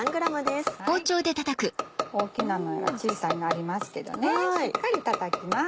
大きなのやら小さいのありますけどしっかりたたきます。